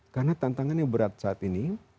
karena tantangannya berat saat ini